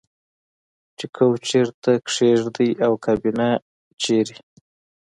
چې کوچ چیرته کیږدئ او کابینه چیرته